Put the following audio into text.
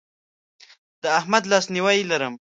د احمد لاسنیوی لرم.